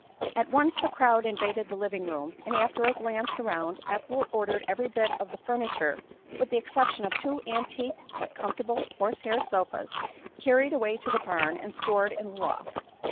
At once the crowd invaded the living room, and after a glance around Ethel ordered every bit of the furniture, with the exception of two antique but comfortable horse hair sofas, carried away to the barn and stored in the loft.